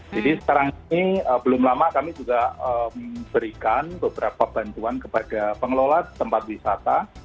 jadi sekarang ini belum lama kami juga memberikan beberapa bantuan kepada pengelola tempat wisata